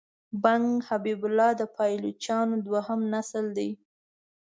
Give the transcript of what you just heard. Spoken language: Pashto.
بنګ حبیب الله د پایلوچانو دوهم نسل دی.